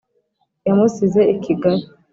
yamusize i kigali,